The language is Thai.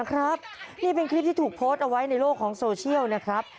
ครับนี่เป็นคลิปที่ถูกโพสต์เอาไว้ในโลกของโซเชียลนะครับ